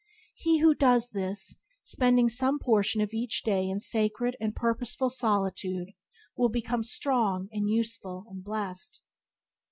He who does this, spending some portion of each day in sacred and purposeful solitude, will become strong and useful and blessed.